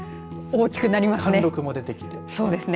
大きくなりましたね。